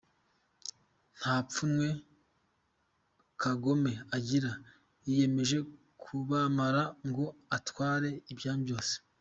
Ntampuwhe kagome agira yiyemeje kubamara ngo atware ibyanyu byose